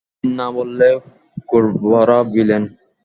তুমি না বললে কৌরবরা ভিলেন?